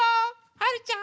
はるちゃん。